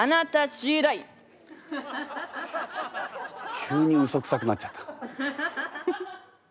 急にうそくさくなっちゃった。